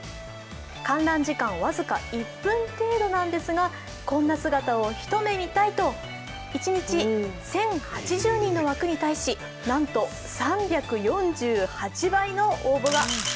観覧時間、僅か１分程度なんですが、こんな姿を一目見たいと、一日１０８０人の枠に対しなんと３４８倍の応募が。